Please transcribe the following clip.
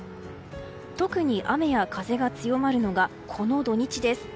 特に雨や風が強まるのがこの土日です。